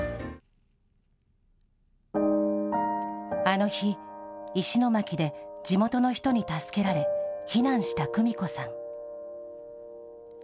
あの日、石巻で地元の人に助けられ、避難したクミコさん。